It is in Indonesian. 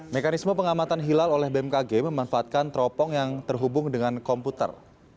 mekanisme pengamatan hilal oleh bmkg memanfaatkan teropong yang terhubung dengan komputer